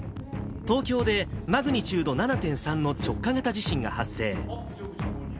東京でマグニチュード７．３の直下型地震が発生。